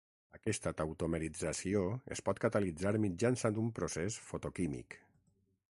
Aquesta tautomerització es pot catalitzar mitjançant un procés fotoquímic.